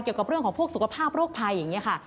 เกี่ยวกับเรื่องของพวกสุขภาพโรคภัยอย่างนี้ค่ะ